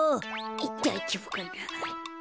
だいじょうぶかな。